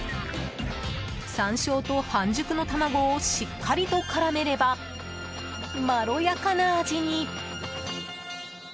山椒と半熟の卵をしっかりと絡めればまろやかな味に。